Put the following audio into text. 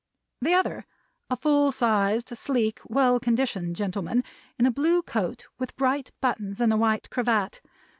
The other, a full sized, sleek, well conditioned gentleman, in a blue coat, with bright buttons, and a white cravat.